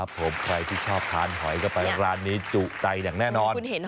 ผมใครที่ชอบทานหอยก็ไปแล้วร้านนี้จุใจอย่างแน่นอน